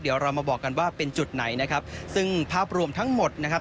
เดี๋ยวเรามาบอกกันว่าเป็นจุดไหนนะครับซึ่งภาพรวมทั้งหมดนะครับ